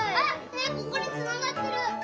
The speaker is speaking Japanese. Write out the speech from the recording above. ねえここにつながってる！